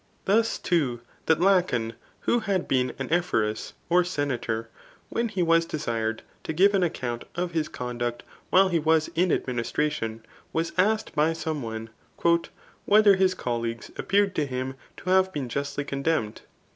Thus, too, that Lacon [who had been an Ephorus, or senator,3 when he was desired to give an account of his conduct while he'wasin admi nistration, was asked by some dne, Wh^thet his; col leagues 2^peared to him to have been justly condenmed?